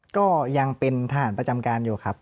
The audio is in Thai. ก็ยังเป็นทหารประจำการอยู่ครับ